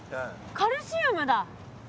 カルシウム？